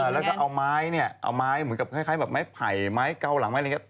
แล้วก็เอาไม้เหมือนกับไม้ไผ่ไม้เก้าหลังอะไรอย่างนี้ตี